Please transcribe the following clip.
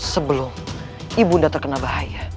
sebelum ibu nda terkena bahaya